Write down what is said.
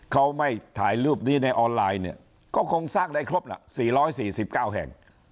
เขาไม่ถ่ายรูปนี้ในออนไลน์เนี่ยก็คงสร้างได้ครบละ๔๔๙แห่ง